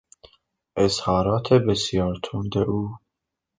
اظهارات بسیار تند او